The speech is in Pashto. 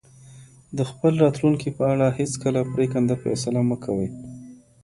د خپل راتلونکي په اړه هیڅکله پرېکنده فیصله مه کوئ.